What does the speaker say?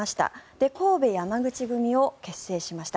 で、神戸山口組を結成しました。